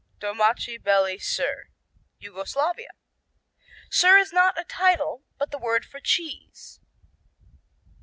Domaci Beli Sir Yugoslavia "Sir" is not a title but the word for cheese.